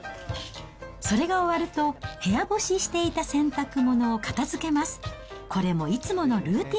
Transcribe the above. それが終わると、部屋干ししていた洗濯物を片づけます。